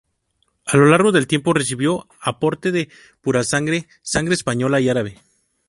A lo largo del tiempo recibió aporte de purasangre, sangre española y árabe.